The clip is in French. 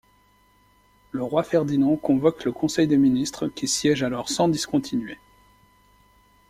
Le roi Ferdinand convoque le conseil des ministres qui siège alors sans discontinuer.